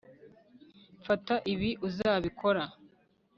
Mfata ibi uzabikora